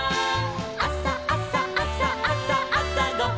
「あさあさあさあさあさごはん」